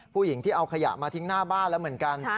ผู้หญิงที่เอาขยะมาทิ้งหน้าบ้านแล้วเหมือนกัน